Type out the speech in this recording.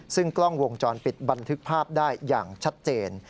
ซึ่งกล้องวงจรปิดบันทึกภาพได้อย่างชัดเจน